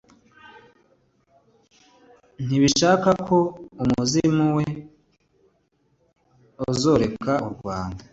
ntibashakako umuzimu we uzoreka u rwanda.